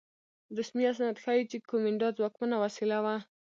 رسمي اسناد ښيي چې کومېنډا ځواکمنه وسیله وه.